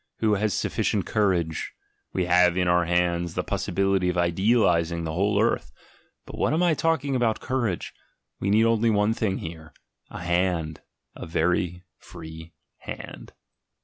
Who has sufficient courage? We have in our hands the possibility of idealising the whole earth. But what am I talking about courage? we only need one thing here — a hand, a free, a very free hand.